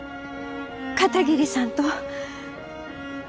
片桐さんと。